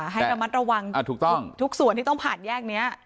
ให้ระมัดระวังทุกส่วนที่ต้องผ่านแยกนี้